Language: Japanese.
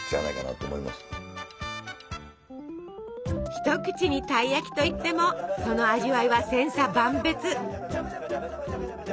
一口に「たい焼き」といってもその味わいは千差万別。